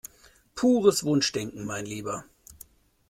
Pures Wunschdenken, mein Lieber!